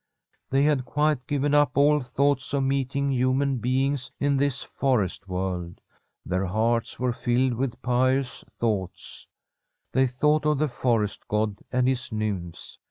They had quite given up all thought of meeting human beings in this forest world. Their hearts were filled with pious thoughts; The Forest QUEEN they thought of the forest god and his nymphs.